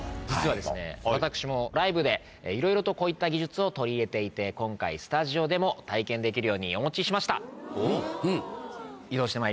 実は私もライブでいろいろとこういった技術を取り入れていて今回スタジオでも体験できるようにお持ちしました。